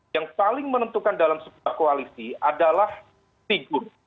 yang paling menentukan dalam sebuah koalisi adalah figur